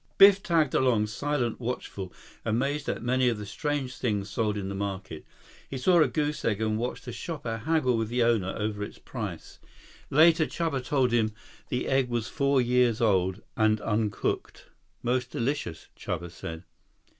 Biff tagged along, silent, watchful, amazed at many of the strange things sold in the market. He saw a goose egg and watched a shopper haggle with the owner over its price. Later, Chuba told him the egg was four years old and uncooked. "Most delicious," Chuba said.